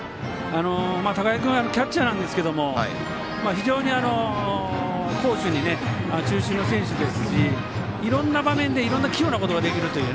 高木君キャッチャーなんですが非常に攻守に中心の選手ですしいろんな場面で器用なことができるという。